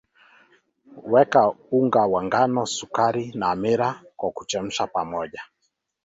weka unga wa ngano sukari na hamira kwa kuchekecha pamoja